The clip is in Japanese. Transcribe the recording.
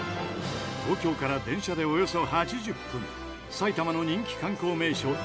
東京から電車でおよそ８０分埼玉の人気観光名所